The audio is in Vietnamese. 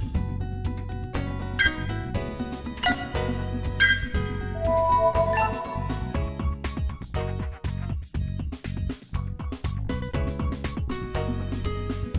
tiên phong công nghệ